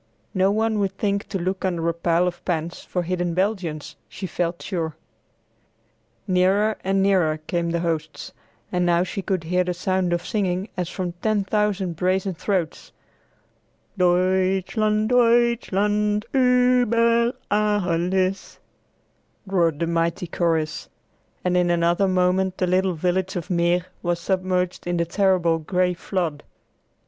No one would think to look under a pile of pans for hidden Belgians, she felt sure. Nearer and nearer came the hosts, and now she could hear the sound of singing as from ten thousand brazen throats, "Deutschland, Deutschland uber Alles," roared the mighty chorus, and in another moment the little village of Meer was submerged in the terrible gray flood.